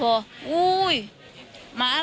โอ้ยมาแล้ว